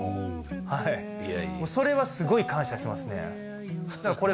はいそれはすごい感謝してますね